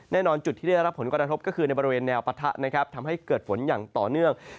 แน่นอนจุดที่ได้รับผลกระทบก็คือในบริเวณแนวปะทะนะครับทำให้เกิดฝนอย่างต่อเนื่อง